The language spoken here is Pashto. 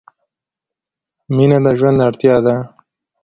مینه د ژوند اړتیا ده.